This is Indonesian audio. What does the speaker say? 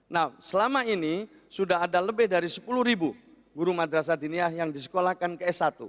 nah selama ini sudah ada lebih dari sepuluh ribu guru madrasah diniah yang disekolahkan ke s satu